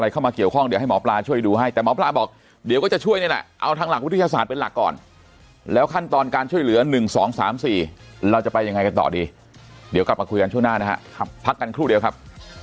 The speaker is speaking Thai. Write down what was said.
กับคุยกันช่วงหน้านะครับพักกันครู่เดียวครับ